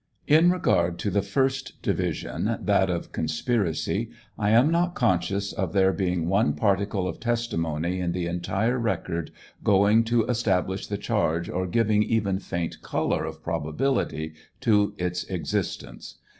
In regard to the first division — that of conspiracy — I am not conscious of then being one particle of testimony in the entire record going to establish the chargi or giving even faint color of probability to its existence.